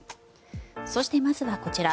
そしてまずはこちら。